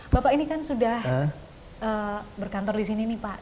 bapak ini kan sudah berkantor di sini nih pak